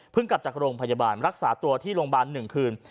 กลับจากโรงพยาบาลรักษาตัวที่โรงพยาบาล๑คืน